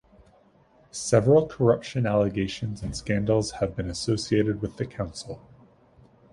Several corruption allegations and scandals have been associated with the council.